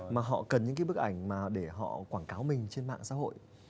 mà họ cần những bức ảnh để họ quảng cáo mình trên mạng xã hội